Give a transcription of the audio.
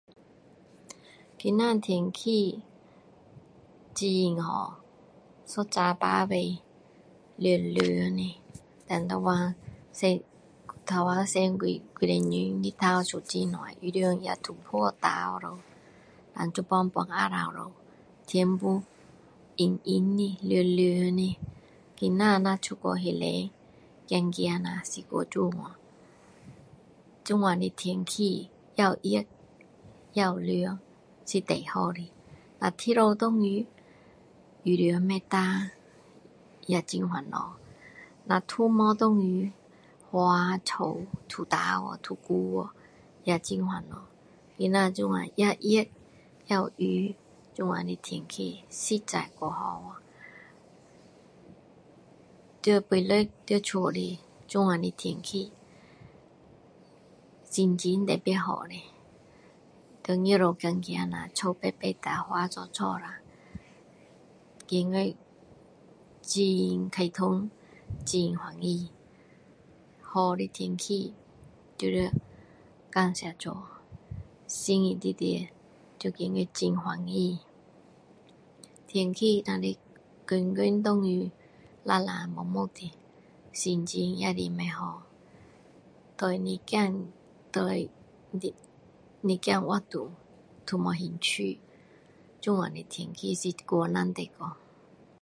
今天天气很好一早爬起来凉凉的现在就是刚才前前几个钟头太阳出很大衣服也全部嗮干了然后现在半下午了天又阴阴的凉凉的今天如果出去外面走走下太漂亮了咯这样的天气也有热也有凉是最好的若一直下雨衣服不会干也很烦恼若都没下雨花草都干去都枯去也很烦恼今天这样也热也有雨这样的天气实在太好了在拜六在家的这样的天气心情特别好的在外面走走下草拔拔下花做做下觉得很开通很高兴好的天气就要感谢主心里面就觉得很开心天气只是天天下雨湿湿绵绵的心情也是不好对一点对一一点活动都没兴趣这样的天气是太难得了